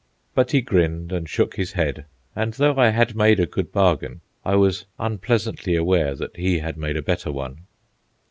But he grinned and shook his head, and though I had made a good bargain, I was unpleasantly aware that he had made a better one.